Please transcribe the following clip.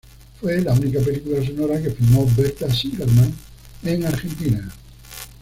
Fue la única película sonora que filmó Berta Singerman en Argentina.